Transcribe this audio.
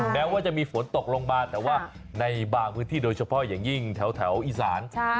แม้ว่าจะมีฝนตกลงมาแต่ว่าในบางพื้นที่โดยเฉพาะอย่างยิ่งแถวอีสาน